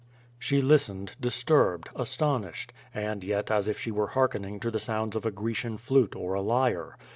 '' She listened, disturbed, astonished, and yet as if she were hearkening to the sounds of a Grecian flute or a lyre.